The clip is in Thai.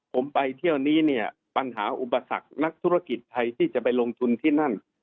ผมไปเที่ยวนี้เนี่ยปัญหาอุปสรรคนักธุรกิจไทยที่จะไปลงทุนที่นั่น